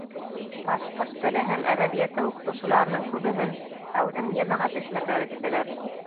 Башҡорт теле һәм әҙәбиәте уҡытыусыларының күбеһен әүҙем йәмәғәт эшмәкәре тип беләбеҙ.